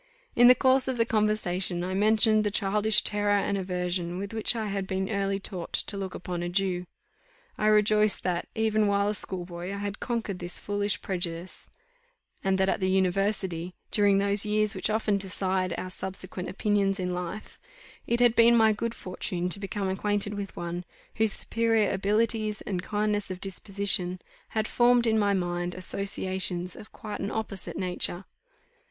In the course of the conversation I mentioned the childish terror and aversion with which I had been early taught to look upon a Jew. I rejoiced that, even while a schoolboy, I had conquered this foolish prejudice; and that at the university, during those years which often decide our subsequent opinions in life, it had been my good fortune to become acquainted with one, whose superior abilities and kindness of disposition, had formed in my mind associations of quite an opposite nature.